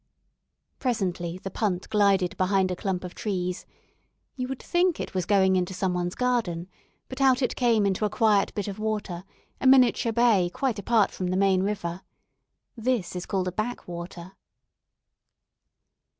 Presently the punt glided behind a clump of trees. You would think it was going into some one's garden, but out it came into a quiet bit of water, a miniature bay quite apart from the main river. This is called a "backwater."